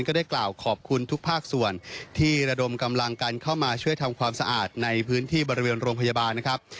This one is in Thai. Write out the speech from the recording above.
ก็ได้กล่าวขอบคุณทุกภาคส่วนที่ระดมกำลังกันเข้ามาช่วยทำความสะอาดในพื้นที่บริเวณโรงพยาบาลนะครับ